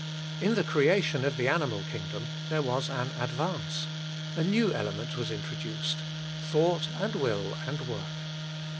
In the creation of the animal kingdom there was an advance. A new element was in troduced — thought and will and work.